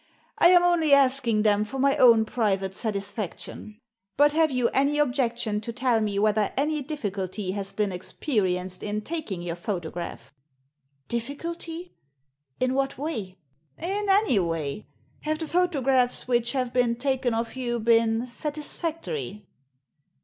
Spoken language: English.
I am only asking them for my own private satisfaction. But have you any objection to tell me whether any difficulty has been experienced in taking your photograph ?"" Difficulty ? In what way ?"" In any way. Have the photographs which have been taken of you been satisfactory